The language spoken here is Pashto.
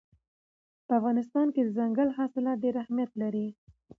په افغانستان کې دځنګل حاصلات ډېر اهمیت لري.